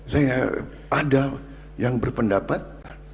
saya ada yang berpendapat